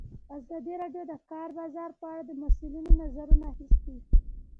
ازادي راډیو د د کار بازار په اړه د مسؤلینو نظرونه اخیستي.